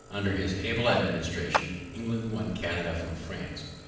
Under his able administration, England won Canada from France.